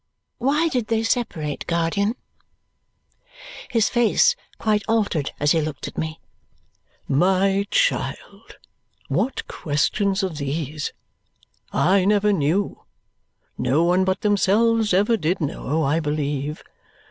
"Why did they separate, guardian?" His face quite altered as he looked at me. "My child, what questions are these! I never knew. No one but themselves ever did know, I believe.